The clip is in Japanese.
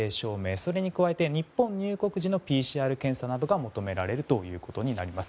それに加えて日本入国時のＰＣＲ検査などが求められるということになります。